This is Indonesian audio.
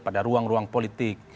pada ruang ruang politik